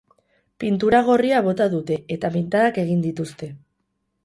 Pintura gorria bota dute, eta pintadak egin dituzte.